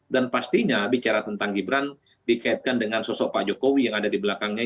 dan pastinya bicara tentang gibran dikaitkan dengan sosok pak jokowi yang ada di belakangnya